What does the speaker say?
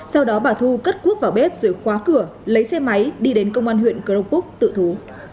sau đó bà thu cất cuốc vào bếp rồi khóa cửa lấy xe máy đi đến công an huyện cường phúc tự thú